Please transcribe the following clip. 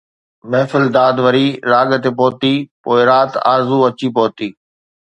محفل داد وري راڳ تي پهتي، پوءِ رات آرزو اچي پهتي